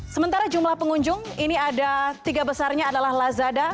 sementara jumlah pengunjung ini ada tiga besarnya adalah lazada